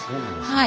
はい。